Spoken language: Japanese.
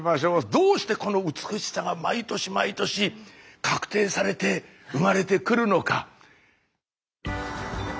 どうしてこの美しさが毎年毎年確定されて生まれてくるのか？